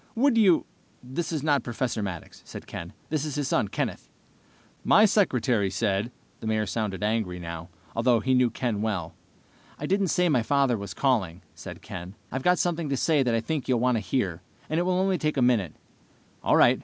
Would you...." "This is not Professor Maddox," said Ken. "I'm his son, Kenneth." "My secretary said...." The Mayor sounded angry now, although he knew Ken well. "I didn't say my father was calling," said Ken. "I've got something to say that I think you will want to hear, and it will take only a minute." "All right.